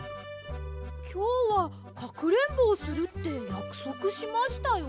きょうはかくれんぼをするってやくそくしましたよ！